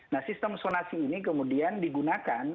nah sistem sonasi ini kemudian digunakan